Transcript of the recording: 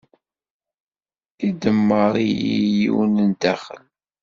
Idemmer-iyi yiwen ɣer daxel.